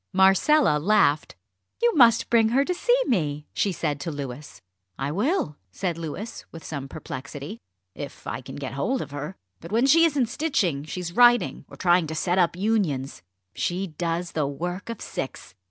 Marcella laughed. "You must bring her to see me," she said to Louis. "I will," said Louis, with some perplexity; "if I can get hold of her. But when she isn't stitching she's writing, or trying to set up Unions. She does the work of six.